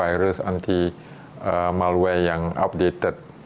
anti virus anti malware yang updated